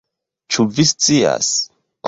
Ĉu vi scias?